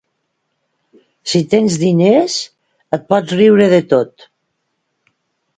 Si tens diners, et pots riure de tot.